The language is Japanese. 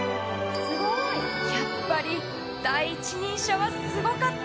やっぱり第一人者はすごかった。